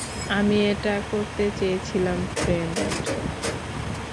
আমি এটা করতে চেয়েছিলাম, ফ্রেড।